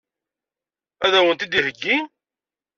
Ad wen-ten-id-iheggi?